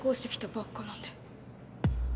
ばっかなんで。